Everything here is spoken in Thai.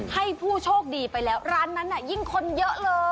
ให้ผู้โชคดีไปแล้วร้านนั้นน่ะยิ่งคนเยอะเลย